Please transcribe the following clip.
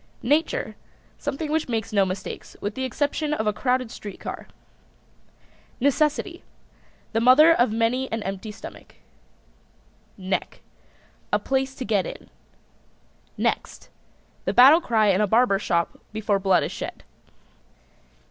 NATURE. Something which makes no mistakes, with the exception of a crowded street car. NECESSITY. The mother of many an empty stomach. NECK. A place to get it in. NEXT. The battle cry in a barber shop before blood is shed.